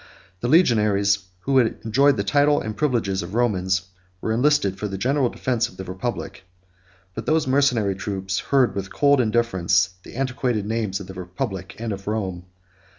The legionaries, who enjoyed the title and privileges of Romans, were enlisted for the general defence of the republic; but those mercenary troops heard with cold indifference the antiquated names of the republic and of Rome.